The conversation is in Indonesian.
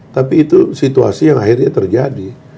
tapi itu situasi yang akhirnya terjadi